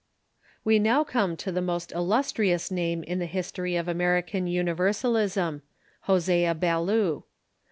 We now come to the most illustrious name in the history of American ITniversalism — Hosea Ballou.